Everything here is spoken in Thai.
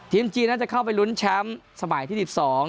จีนน่าจะเข้าไปลุ้นแชมป์สมัยที่๑๒